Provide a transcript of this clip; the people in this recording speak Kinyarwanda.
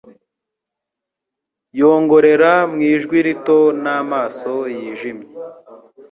yongorera mu ijwi rito n'amaso yijimye